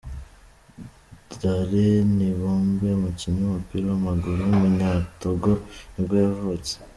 Daré Nibombé, umukinnyi w’umupira w’amaguru w’umunyatogo nibwo yavutse.